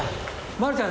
まるちゃん。